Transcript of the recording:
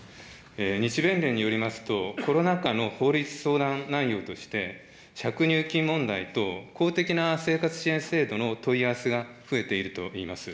日弁連によりますと、コロナ禍の法律相談内容として、借入金問題と、公的な生活支援制度の問い合わせが増えているといいます。